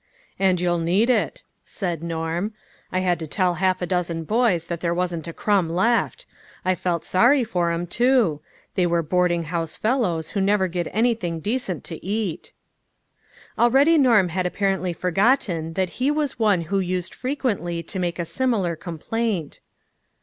" And you'll need it," said Norm. " I had to tell half a dozen boys that there wasn't a crumb left. I felt sorry for 'em, too ; they were board ing house fellows who never get anything decent to eat." Already Norm had apparently forgotten that he was one who used frequently to make a simi lar complaint.